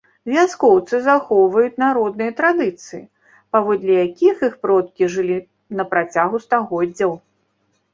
Вяскоўцы захоўваюць народныя традыцыі, паводле якіх іх продкі жылі на працягу стагоддзяў.